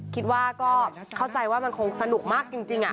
คิดว่าก็เข้าใจว่ามันคงสนุกมากจริง